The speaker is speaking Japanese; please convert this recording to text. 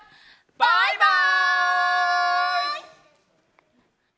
バイバイ！